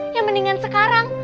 ya mendingan sekarang